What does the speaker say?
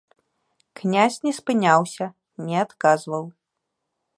Князь не спыняўся, не адказваў.